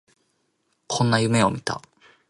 こんな夢を見た